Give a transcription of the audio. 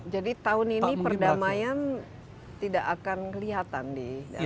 jadi tahun ini perdamaian tidak akan kelihatan di dalamnya